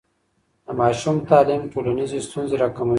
د ماشوم تعلیم ټولنیزې ستونزې راکموي.